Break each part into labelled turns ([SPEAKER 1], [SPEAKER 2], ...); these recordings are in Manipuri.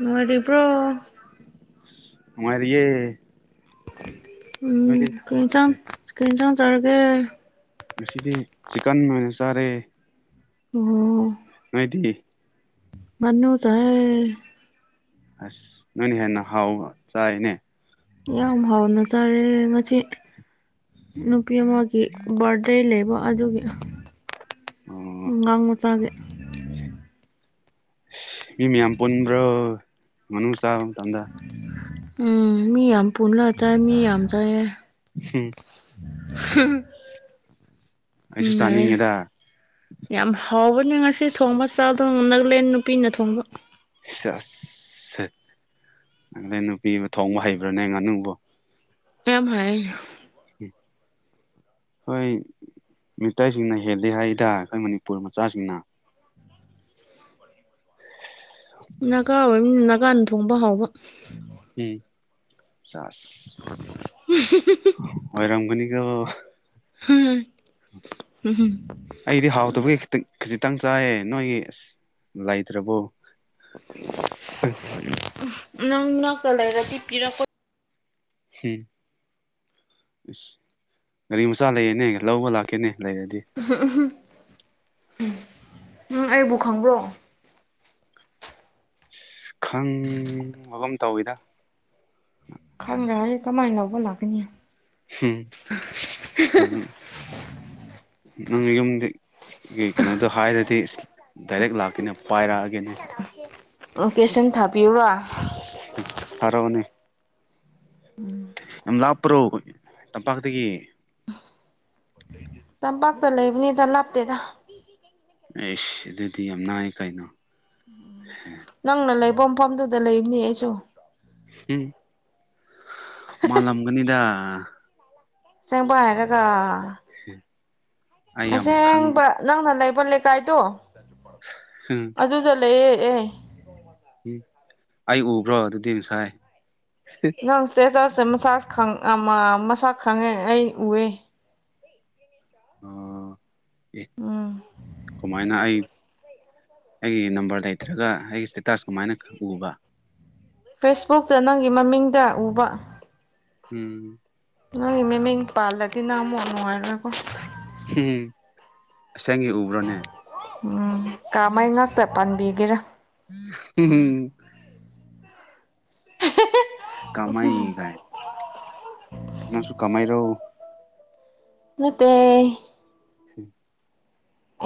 [SPEAKER 1] ꯅꯨꯉꯥꯔꯤꯕ꯭ꯔꯣ
[SPEAKER 2] ꯅꯨꯉꯥꯔꯤꯌꯦ
[SPEAKER 1] ꯎꯝ ꯀꯔꯤ ꯏꯟꯁꯥꯡ ꯀꯔꯤ ꯏꯟꯁꯥꯡ ꯆꯔꯒꯦ
[SPEAKER 2] ꯉꯁꯤꯗꯤ ꯆꯤꯀꯟ ꯑꯣꯏꯅ ꯆꯥꯔꯦ
[SPEAKER 1] ꯑꯣ
[SPEAKER 2] ꯉꯣꯏꯗꯤ
[SPEAKER 1] ꯉꯥꯅꯨ ꯆꯥꯏꯌꯦ
[SPEAKER 2] ꯑꯁ ꯅꯣꯏꯅ ꯍꯦꯟꯅ ꯍꯥꯎꯕ ꯆꯥꯏꯌꯦꯅꯦ
[SPEAKER 1] ꯌꯥꯝ ꯍꯥꯎꯅ ꯆꯥꯔꯦ ꯉꯁꯤ ꯅꯨꯄꯤ ꯑꯃꯒꯤ ꯕꯥꯔꯗꯦ ꯂꯩꯕ ꯑꯗꯨꯒꯤ ꯑꯉꯥꯡ ꯃꯆꯥꯒꯤ
[SPEAKER 2] ꯑ ꯃꯤ ꯃꯌꯥꯝ ꯄꯨꯟꯕ꯭ꯔꯣ ꯉꯅꯨ ꯆꯥꯕ ꯃꯇꯝꯗ
[SPEAKER 1] ꯎꯝ ꯃꯤ ꯌꯥꯝ ꯄꯨꯟꯂ ꯆꯥꯏ ꯃꯤꯌꯥꯝ ꯆꯥꯏꯌꯦ
[SPEAKER 2] ꯎ ꯑꯁ ꯑꯩꯁꯨ
[SPEAKER 1] ꯅꯨꯡꯉꯥꯏꯌꯦ
[SPEAKER 2] ꯆꯥꯅꯤꯡꯉꯦꯗ
[SPEAKER 1] ꯌꯥꯝ ꯍꯥꯎꯕꯅꯤ ꯉꯁꯤ ꯊꯣꯡꯕ ꯆꯥꯗ ꯅꯂꯦꯟ ꯅꯨꯄꯤꯅ ꯊꯣꯡꯕ
[SPEAKER 2] ꯁ‌ꯦꯁ ꯁꯥ [unintelligible] ꯅ‌ꯪꯅ ꯅꯨꯄꯤꯕꯨ ꯊꯣꯡꯕ ꯍꯩꯕ꯭ꯔꯥꯅꯦ ꯉꯥꯅꯨꯕꯨ
[SPEAKER 1] ꯀꯔꯝꯍꯥꯏ
[SPEAKER 2] [unintelligible] ꯈ‌ꯣꯏ ꯃꯤꯇꯩꯁꯤꯡꯅ ꯍꯦꯜꯂꯤ ꯍꯥꯏꯗ ꯑꯩꯈꯣꯏ ꯃꯅꯤꯄꯨꯔ ꯃꯆꯥꯁꯤꯡꯅ
[SPEAKER 1] ꯅꯥꯒꯥ ꯑꯣꯏꯕꯅꯤꯅ ꯅꯥꯒꯥꯅ ꯊꯣꯡꯕ ꯍꯥꯎꯕ
[SPEAKER 2] ꯎꯝ ꯆꯥꯁ ꯑꯣꯏꯔꯝꯒꯅꯤꯀ‌ꯣ
[SPEAKER 1] [unintelligible]
[SPEAKER 2] ꯑꯩꯗꯤ ꯍꯥꯎꯗꯕꯒꯤ ꯈꯤꯇꯪ ꯈꯖꯤꯛꯇꯪ ꯆꯥꯏꯌꯦ ꯅꯣꯏꯒꯤ ꯑꯁ ꯂꯩꯇ꯭ꯔꯕꯣ
[SPEAKER 1] ꯅꯪ ꯅꯛꯇ ꯂꯩꯔꯗꯤ ꯄꯤꯔꯛꯄ
[SPEAKER 2] ꯎꯝ ꯑꯁ ꯒꯥꯔꯤ ꯃꯆꯥ ꯂꯩꯌꯦꯅꯦ ꯂꯧꯕ ꯂꯥꯛꯀꯦꯅꯦ ꯂꯩꯔꯗꯤ
[SPEAKER 1] ꯎꯝꯍ ꯎꯝꯍ ꯎꯝ ꯑꯩꯕꯨ ꯈꯪꯕ꯭ꯔꯣ
[SPEAKER 2] ꯑ ꯈꯪꯕꯐꯝ ꯇꯧꯋꯤꯗ
[SPEAKER 1] ꯈꯪꯈ꯭ꯔꯦ ꯀꯃꯥꯏꯅ ꯂꯧꯕ ꯂꯥꯛꯀꯅꯤ
[SPEAKER 2] ꯎꯝ ꯎꯝ ꯅꯪ ꯌꯨꯝꯒꯤ ꯀꯩꯅꯣꯗꯣ ꯍꯥꯏꯔꯗꯤ ꯗꯥꯏꯔꯦꯛ ꯂꯥꯛꯀꯦꯅꯦ ꯄꯥꯏꯔꯛꯑꯒꯦꯅꯦ
[SPEAKER 1] UNINTELLIGIBLE ꯂꯣꯀꯦꯁꯟ ꯊꯥꯕꯤꯌꯨꯔꯣ
[SPEAKER 2] ꯊꯔꯥꯛꯎꯅꯦ
[SPEAKER 1] ꯎꯝ
[SPEAKER 2] ꯌꯥꯝ ꯂꯥꯞꯄ꯭ꯔꯣ ꯇꯝꯄꯥꯛꯇꯒꯤ
[SPEAKER 1] ꯇꯝꯄꯥꯛꯇ ꯂꯩꯕꯅꯤꯗ ꯂꯥꯞꯇꯦꯗ
[SPEAKER 2] ꯑꯦꯁ ꯑꯗꯨꯗꯤ ꯌꯥꯝ ꯅꯥꯥꯏ ꯀꯩꯅꯣ
[SPEAKER 1] ꯅꯪꯅ ꯂꯩꯕ ꯃꯐꯝꯗꯨꯗ ꯂꯩꯕꯅꯤ ꯑꯩꯁꯨ
[SPEAKER 2] ꯍꯝ ꯃꯥꯜꯂꯝꯒꯅꯤꯗ
[SPEAKER 1] ꯆꯦꯡꯕ ꯍꯥꯏꯔꯒ
[SPEAKER 2] [unintelligible] ꯈꯪ
[SPEAKER 1] ꯑꯁꯦꯡꯕ ꯅꯪꯅ ꯂꯩꯕ ꯂꯩꯀꯥꯏꯗꯣ
[SPEAKER 2] ꯎꯝ
[SPEAKER 1] ꯑꯗꯨ ꯀꯗꯥ ꯂꯩꯌ‌ꯦ ꯑꯦ
[SPEAKER 2] ꯎꯝ ꯑꯩ ꯎꯕ꯭ꯔꯣ ꯑꯗꯨꯗꯤ ꯉꯁꯥꯏ
[SPEAKER 1] ꯅꯪ ꯆ‌ꯦꯆꯁ‌ꯦ ꯃꯁꯥꯁ ꯈꯪ ꯑꯥ ꯃ ꯃꯁꯥ ꯈꯪꯉꯦ ꯑꯩ ꯎꯑꯦ
[SPEAKER 2] ꯑꯣ ꯑꯦ
[SPEAKER 1] ꯎꯝ
[SPEAKER 2] ꯀꯃꯥꯏꯅ ꯑꯩ ꯑꯩꯒꯤ ꯅꯝꯕꯔ ꯂꯩꯇ꯭ꯔꯒ ꯑꯩꯒꯤ ꯏꯁꯇꯦꯇꯥꯁ ꯀꯃꯥꯏꯅ ꯈ ꯎꯕ
[SPEAKER 1] ꯐꯦꯁꯕꯨꯛꯇ ꯅꯪꯒꯤ ꯃꯃꯤꯡꯗ ꯎꯕ
[SPEAKER 2] ꯎꯝ
[SPEAKER 1] ꯑꯩ ꯃꯦꯝꯃꯤꯡ ꯄꯥꯜꯂꯗꯤ ꯅꯪ ꯃꯨꯛ ꯅꯨꯡꯉꯥꯏꯔꯣꯏꯕꯣ
[SPEAKER 2] ꯑꯁ‌ꯦꯡꯀꯤ ꯎ
[SPEAKER 1] ꯎꯝ ꯀꯥꯃꯩ ꯉꯥꯛꯇ ꯄꯥꯟꯕꯤꯒꯦꯔꯥ
[SPEAKER 2] [unintelligible] ꯀꯥꯃꯥꯏ ꯒꯥꯏ ꯅꯪꯁꯨꯨ ꯀꯃꯥꯏꯔꯣ
[SPEAKER 1] ꯅꯠꯇ‌ꯦ
[SPEAKER 2] [unintelligible]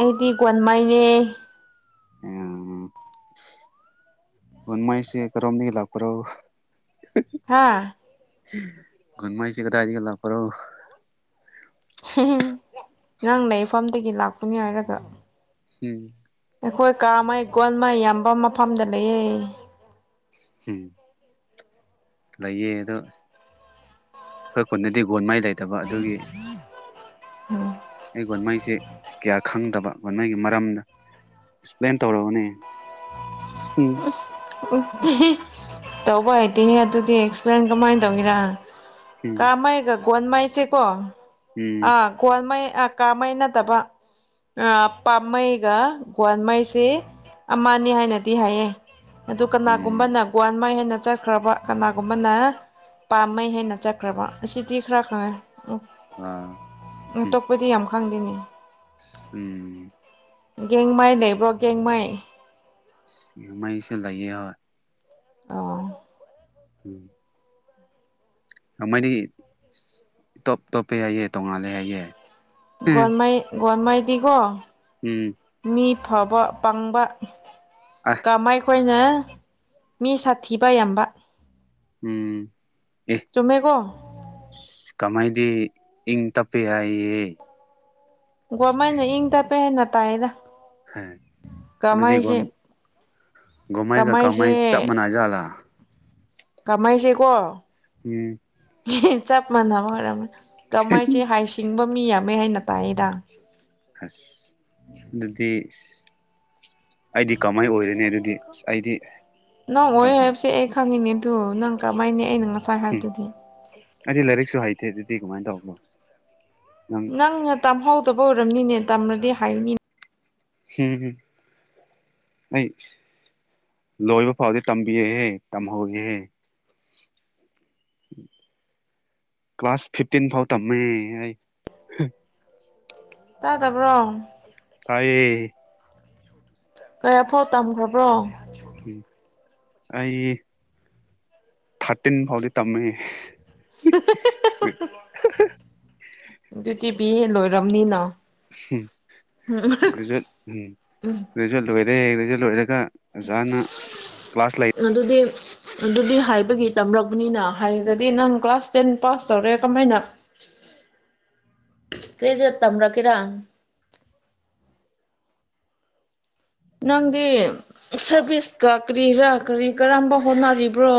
[SPEAKER 1] ꯑꯩꯗꯤ ꯒꯣꯟꯃꯥꯏꯅꯦ
[SPEAKER 2] [unintelligible] ꯒ‌ꯣꯟꯃꯥꯏꯁ‌ꯦ ꯀꯔꯣꯝꯗꯒꯤ ꯂꯥꯛꯄꯥꯔꯣ
[SPEAKER 1] ꯍꯥꯥ
[SPEAKER 2] ꯒ‌ꯣꯟꯃꯥꯏꯁ‌ꯦ ꯀꯗꯥꯏꯗꯒꯤ ꯂꯥꯛꯄꯔꯣ
[SPEAKER 1] ꯅꯪ ꯂꯩꯐꯝꯗꯒꯤ ꯂꯥꯛꯄꯅꯤ ꯍꯥꯏꯔꯒ
[SPEAKER 2] ꯍꯝ
[SPEAKER 1] ꯅꯈꯣꯏ ꯀꯃꯥꯏ ꯒꯣꯟꯃꯥꯏ ꯌꯥꯝꯕ ꯃꯐꯝꯗ ꯂꯩꯌꯦ
[SPEAKER 2] ꯍꯝ ꯂꯩꯌꯦ ꯑꯗꯣ ꯑꯩꯈꯣꯏ ꯈꯨꯟꯗꯗꯤ ꯒꯣꯜꯃꯥꯏ ꯂꯩꯇꯕ ꯑꯗꯨꯒꯤ
[SPEAKER 1] ꯎꯝ
[SPEAKER 2] ꯑꯩ ꯒꯣꯟꯃꯩꯁꯦ ꯀꯌꯥ ꯈꯪꯗꯕ ꯒꯣꯟꯃꯩꯒꯤ ꯃꯔꯝꯗ ꯑꯦꯛꯁꯄ꯭ꯂꯦꯟ ꯇꯧꯔꯛꯎꯅꯦ ꯎꯝ
[SPEAKER 1] ꯇꯧꯕ
[SPEAKER 2] ꯑꯁ
[SPEAKER 1] ꯍꯩꯇꯦꯍꯦ ꯑꯗꯨꯗꯤ ꯑꯦꯛꯁꯄ꯭ꯂꯦꯟ ꯀꯃꯥꯏ ꯇꯧꯒꯦꯔꯥ
[SPEAKER 2] ꯎꯝ
[SPEAKER 1] ꯀꯥꯃꯩꯒ ꯒꯣꯟꯃꯩꯁꯦꯀꯣ
[SPEAKER 2] ꯎꯝ
[SPEAKER 1] ꯑꯥ ꯒꯣꯟꯃꯩ ꯑ ꯀꯥꯃꯩ ꯅꯠꯇꯕ ꯑ ꯄꯥꯃꯩꯒ ꯒ꯭ꯋꯥꯟꯃꯩꯁꯤ ꯑꯃꯅꯤ ꯍꯥꯏꯅꯗꯤ ꯍꯥꯏꯌꯦ ꯑꯗꯨ
[SPEAKER 2] ꯎꯝ
[SPEAKER 1] ꯀꯅꯥꯒꯨꯝꯕꯅ ꯒꯋꯥ꯭ꯟꯃꯩ ꯍꯥꯏꯅ ꯆꯠ ꯈ꯭ꯔꯕ ꯀꯅꯥꯒꯨꯝꯕꯅ ꯄꯥꯝꯃꯩ ꯍꯥꯏꯅ ꯆꯠꯈ꯭ꯔꯕ ꯑꯁꯤꯗꯤ ꯈꯔ ꯈꯪꯉꯦ ꯎ
[SPEAKER 2] ꯑ
[SPEAKER 1] ꯎ ꯑꯇꯣꯞꯄꯗꯤ ꯌꯥꯝ ꯈꯪꯗꯦꯅꯦ
[SPEAKER 2] ꯏꯁ ꯎꯝ
[SPEAKER 1] ꯒꯦꯡꯃꯥꯏ ꯂꯩꯕ꯭ꯔꯣ ꯒꯦꯡꯃꯥꯏ
[SPEAKER 2] ꯑꯁ ꯒ‌ꯦꯡꯃꯥꯏꯁꯨ ꯂꯩꯌꯦ ꯍꯣꯏ
[SPEAKER 1] ꯑ‌ꯣ
[SPEAKER 2] ꯎꯝ ꯒꯥꯡꯃꯩꯗꯤ ꯑꯁ ꯏꯇꯣꯞ ꯇꯣꯞꯄ‌ꯦ ꯍꯥꯏꯌꯦ ꯇꯣꯡꯉꯥꯜꯂꯦ ꯍꯥꯏꯌꯦ ꯎꯝ
[SPEAKER 1] ꯒ‌ꯣꯜꯃꯥꯏ ꯒ‌ꯣꯜꯃꯥꯏꯗꯤꯀꯣ
[SPEAKER 2] ꯎꯝ
[SPEAKER 1] ꯃꯤ ꯐꯕ ꯄꯪꯕꯥ
[SPEAKER 2] ꯑ
[SPEAKER 1] ꯀꯥꯃꯩꯈꯣꯏꯅ ꯃꯤ ꯁꯥꯊꯤꯕ ꯌꯥꯝꯕ
[SPEAKER 2] ꯎꯝ
[SPEAKER 1] ꯆꯨꯝꯃꯦꯀꯣ
[SPEAKER 2] ꯏꯁ ꯀꯥꯃꯩꯗꯤ ꯏꯪ ꯇꯞꯄꯦ ꯍꯥꯏꯌꯦ
[SPEAKER 1] ꯒꯋꯥ꯭ꯟꯃꯩꯅ ꯏꯪ ꯇꯞꯄꯦ ꯍꯥꯏꯅ ꯇꯥꯏꯌꯦꯗ
[SPEAKER 2] ꯍ ꯑꯗꯨꯗꯤ ꯒꯣꯟ
[SPEAKER 1] ꯀꯃꯥꯏꯁꯦ
[SPEAKER 2] ꯒꯣꯟꯃꯩꯒ ꯀꯥꯃꯩ‌ ꯆꯞ
[SPEAKER 1] ꯀꯃꯥꯏꯁꯦ
[SPEAKER 2] ꯃꯥꯟꯅꯖꯥꯠꯂ
[SPEAKER 1] ꯀꯥꯃꯩꯁꯦꯀꯣ
[SPEAKER 2] ꯎꯝ
[SPEAKER 1] ꯌꯦꯟ ꯆꯞ ꯃꯥꯟꯅꯕ ꯑꯣꯏꯔꯝꯃꯦ ꯀꯃꯩꯁꯦ ꯍꯥꯏ ꯁꯤꯡꯕ ꯃꯤ ꯌꯥꯝꯃꯦ ꯍꯥꯏꯅ ꯇꯥꯛꯌꯦꯗꯥ
[SPEAKER 2] ꯑꯁ ꯑꯗꯨꯗꯤꯁ ꯑꯩꯗꯤ ꯀꯃꯩ ꯑꯣꯏꯔꯅꯤ ꯑꯗꯨꯗꯤ ꯑꯁ ꯑꯩꯗꯤ
[SPEAKER 1] ꯅꯪ
[SPEAKER 2] ꯑꯝ
[SPEAKER 1] ꯑꯣꯏ ꯍꯥꯏꯕꯁꯦ ꯑꯩ ꯈꯪꯉꯤꯅꯦ ꯑꯗꯨ ꯅꯪ ꯀꯥꯃꯩꯅꯦ ꯑꯩꯅ ꯉꯁꯥꯏ ꯍꯥꯏꯕꯗꯨꯗꯤ
[SPEAKER 2] ꯑꯩꯗꯤ ꯂꯥꯏꯔꯤꯛꯁꯨ ꯍꯩꯇꯦ ꯑꯗꯨꯗꯤ ꯀꯃꯥꯏ ꯇꯧꯕꯅꯣ ꯅꯪ
[SPEAKER 1] ꯅꯪꯅ ꯇꯝꯍꯧꯗꯕ ꯑꯣꯏꯔꯝꯅꯤꯅꯦ ꯇꯝꯔꯗꯤ ꯍꯩꯅꯤ
[SPEAKER 2] ꯍꯨꯝꯍꯨꯝ ꯑꯩꯁ ꯂꯣꯏꯕ ꯐꯥꯎꯗꯤ ꯇꯝꯕꯤꯌꯦꯍꯦ ꯇꯝꯍꯧꯏꯍꯦ ꯀ꯭ꯂꯥꯁ ꯐꯤꯞꯇꯤꯟ ꯐꯥꯎ ꯇꯝꯃꯦ ꯑꯩ
[SPEAKER 1] ꯇꯥꯗꯕ꯭ꯔꯣ
[SPEAKER 2] ꯇꯥꯏꯌꯦ
[SPEAKER 1] ꯀꯌꯥꯐꯥꯎ ꯇꯝꯈ꯭ꯔꯕ꯭ꯔꯣ
[SPEAKER 2] ꯑꯩ ꯊꯥ꯭ꯔꯇꯤꯟ ꯐꯥꯎꯗꯤ ꯇꯝꯃꯦ
[SPEAKER 1] ꯑꯗꯨꯗꯤ ꯄꯤꯌꯦ ꯂꯣꯏꯔꯝꯅꯤꯅ ꯎꯝ
[SPEAKER 2] ꯒ꯭ꯔꯦꯖꯨꯋꯦꯠ ꯒ꯭ꯔꯦꯖꯨꯋꯦꯠ ꯂꯣꯏꯔꯦ ꯒ꯭ꯔꯦꯖꯨꯋꯦꯠ ꯂꯣꯏꯔꯒ ꯑꯣꯖꯥꯅ ꯀ꯭ꯂꯥꯁ ꯂꯩ
[SPEAKER 1] ꯑꯗꯨꯗꯤ ꯑꯗꯨꯗꯤ ꯍꯥꯏꯕꯒꯤ ꯇꯝꯂꯛꯄꯅꯤꯅ ꯍꯥꯏꯒꯗ꯭ꯔꯤ ꯅꯪ ꯀ꯭ꯂꯥꯁ ꯇꯦꯟ ꯄꯥꯁ ꯇꯧꯔꯦ ꯀꯃꯥꯏꯅ ꯒ꯭ꯔꯦꯖ꯭ꯋꯦꯠ ꯇꯝꯔꯛꯀꯦꯔꯥ ꯅꯪꯗꯤ ꯁꯔꯚꯤꯁꯀ ꯀꯔꯤꯔꯥ ꯀꯔꯤ ꯀꯔꯝꯕ ꯍꯣꯠꯅꯔꯤꯕ꯭ꯔꯣ